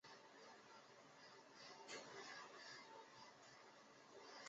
配合博莱霉素和顺铂使用电脉冲化疗治疗皮内和皮下肿瘤的研究已经进入临床阶段。